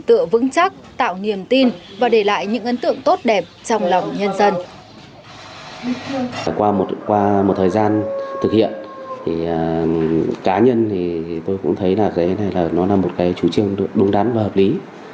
qua một thời gian thực hiện cá nhân tôi cũng thấy là cái này là một cái chủ trương đúng đắn và hợp lý